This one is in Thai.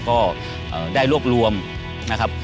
ก็ได้รวบรวมนะครับ